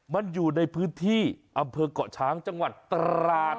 มันอยู่ในพื้นที่อำเภอกเกาะช้างจังหวัดตราด